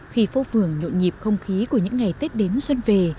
khi phố phường nhộn nhịp không khí của những ngày tết đến xuân về